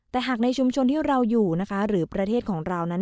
แต่หากในชุมชนที่เราอยู่นะคะหรือประเทศของเรานั้น